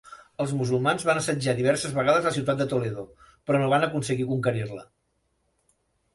Els musulmans van assetjar diverses vegades la ciutat de Toledo, però no van aconseguir conquerir-la.